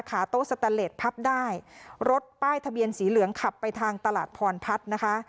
โต๊ะสแตนเลสพับได้รถป้ายทะเบียนสีเหลืองขับไปทางตลาดพรพัฒน์นะคะ